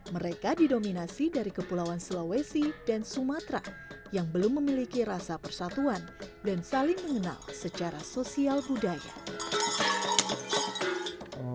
mereka didominasi dari kepulauan sulawesi dan sumatera yang belum memiliki rasa persatuan dan saling mengenal secara sosial budaya